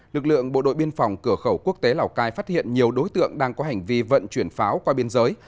lực lượng bộ đội biên phòng cửa khẩu quốc tế lào cai phát hiện nhiều đối tượng đang có hành vi vận chuyển pháo qua biên giới